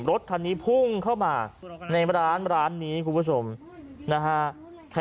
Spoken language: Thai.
รถคันนี้พุ่งเข้ามาในร้านร้านนี้คุณผู้ชมนะฮะ